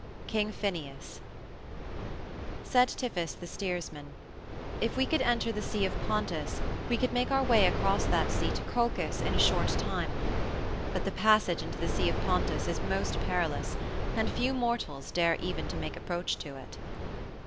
KING PHINEUS Said Tiphys, the steersman: "If we could enter the Sea of Pontus, we could make our way across that sea to Colchis in a short time. But the passage into the Sea of Pontus is most perilous, and few mortals dare even to make approach to it."